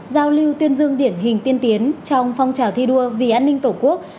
giao lưu tuyên dương điển hình tiên tiến trong phong trào thi đua vì an ninh tổ quốc